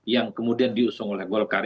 yang kemudian diusung oleh golkar